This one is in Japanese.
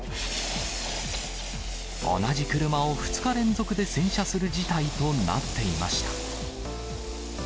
同じ車を２日連続で洗車する事態となっていました。